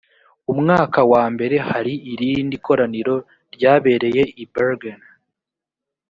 umwaka wambere hari irindi koraniro ryabereye i bergen